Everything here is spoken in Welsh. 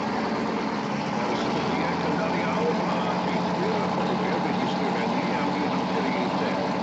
Ers dyddiau cynnar iawn, mae teithwyr a fforwyr wedi ysgrifennu am eu hanturiaethau.